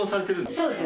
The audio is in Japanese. そうですね。